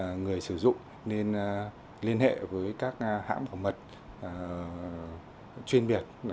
vì rằng người sử dụng nên liên hệ với các hãng bảo mật chuyên biệt